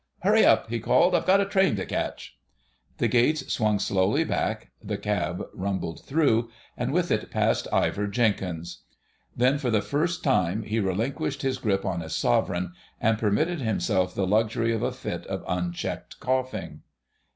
"Hurry up," he called; "I've got a train to catch." The gates swung slowly back, the cab rumbled through, and with it passed Ivor Jenkins. Then for the first time he relinquished his grip on his sovereign, and permitted himself the luxury of a fit of unchecked coughing.